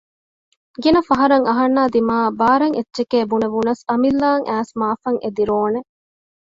ގިނަ ފަހަރަށް އަހަންނާ ދިމާއަށް ބާރަށް އެއްޗެކޭ ބުނެވުނަސް އަމިއްލައަށް އައިސް މާފަށް އެދި ރޯނެ